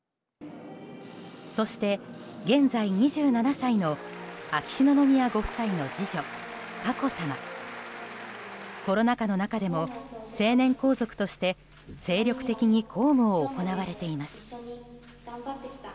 そして現在２７歳の秋篠宮ご夫妻の次女・佳子さま。コロナ禍の中でも成年皇族として精力的に公務を行われています。